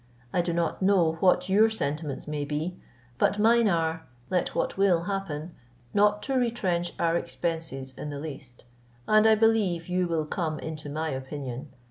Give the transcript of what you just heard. I do not know what your sentiments may be; but mine are, let what will happen, not to retrench our expenses in the least; and I believe you will come into my opinion.